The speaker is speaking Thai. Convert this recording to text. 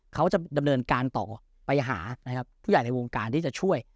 เขาจะดำเนินการต่อไปหานะครับผู้ใหญ่ในวงการที่จะช่วย